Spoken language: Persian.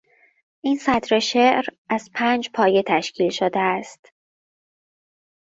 این سطر شعر از پنج پایه تشکیل شده است.